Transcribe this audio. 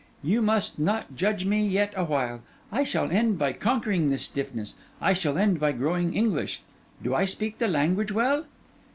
You must not judge me yet awhile; I shall end by conquering this stiffness, I shall end by growing English. Do I speak the language well?